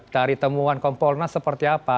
dari temuan kompolnas seperti apa